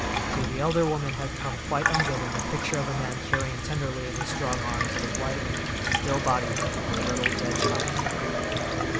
To the elder woman had come quite unbidden a picture of a man carrying tenderly in his strong arms the white, still body of a little dead child.